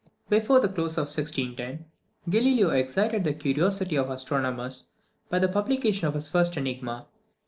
Before the close of 1610, Galileo excited the curiosity of astronomers by the publication of his first enigma.